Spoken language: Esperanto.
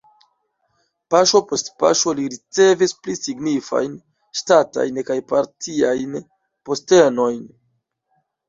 Paŝo post paŝo li ricevis pli signifajn ŝtatajn kaj partiajn postenojn.